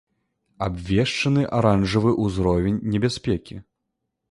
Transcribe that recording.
Абвешчаны аранжавы ўзровень небяспекі.